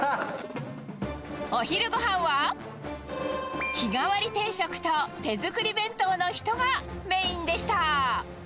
お昼ごはんは、日替わり定食と手作り弁当の人がメインでした。